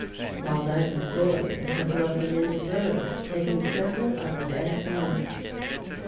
While thus employed, a couple of the men deserted taking several of the best animals.